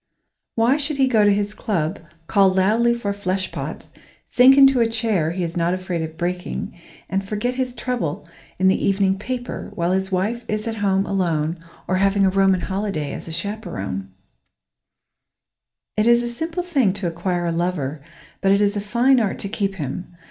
Why should he go to his club, call loudly for flesh pots, sink into a chair he is not afraid of breaking, and forget his trouble in the evening paper, while his wife is at home, alone, or having a Roman holiday as a chaperone? It is a simple thing to acquire a lover, but it is a fine art to keep him.